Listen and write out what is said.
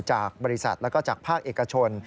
จากบริษัทแล้วก็จากภาคเอกชน